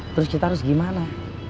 terus kita harus gimana